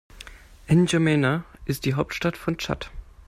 N’Djamena ist die Hauptstadt von Tschad.